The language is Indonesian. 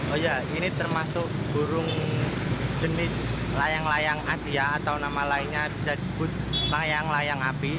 oh ya ini termasuk burung jenis layang layang asia atau nama lainnya bisa disebut layang layang api